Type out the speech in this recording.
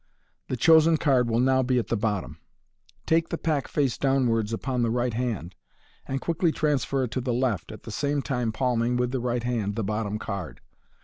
The chosen card will now be at the bottom. Take the pack face downwards upon the right hand, and quickly transfer it to the left, at the same time palming (with the right hand) the bottom card.